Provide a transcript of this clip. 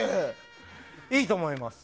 いいと思います。